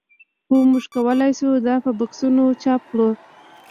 هو موږ کولی شو دا په بکسونو چاپ کړو